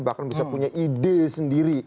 bahkan bisa punya ide sendiri